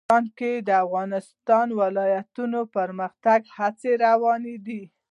افغانستان کې د د افغانستان ولايتونه د پرمختګ هڅې روانې دي.